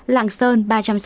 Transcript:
lạng sơn ba trăm sáu mươi sáu